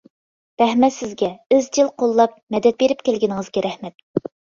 رەھمەت سىزگە، ئىزچىل قوللاپ، مەدەت بېرىپ كەلگىنىڭىزگە رەھمەت!